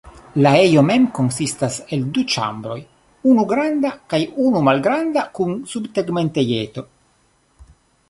La ejo mem konsistas el du ĉambroj, unu granda kaj unu malgranda kun subtegmentejeto.